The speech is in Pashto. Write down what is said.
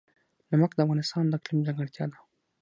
نمک د افغانستان د اقلیم ځانګړتیا ده.